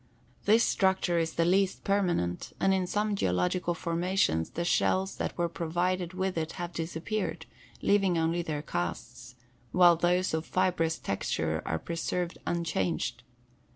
This structure is the least permanent and in some geological formations the shells that were provided with it have disappeared, leaving only their casts, while those of fibrous texture are preserved unchanged.